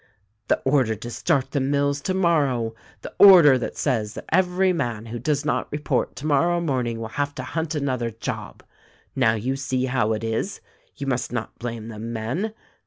"The order to start the mills tomorrow ; the order that says that every man who does not report tomorrow morning will have to hunt another job. Now you see how it is. You must not blame the men